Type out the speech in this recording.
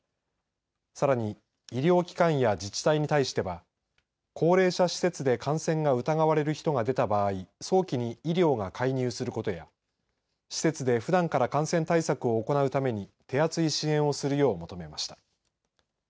さらに医療機関や自治体に対しては高齢者施設で感染が疑われる人が出た場合早期に医療が介入することや施設でふだんから感染対策を行うために手厚い支援をするように求めました。